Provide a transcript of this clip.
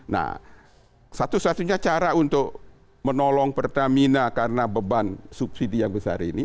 nah satu satunya cara untuk menolong pertamina karena beban subsidi yang besar ini